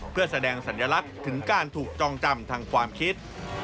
เพื่อแสดงสัญลักษณ์ถึงการถูกจองจำทางความคิด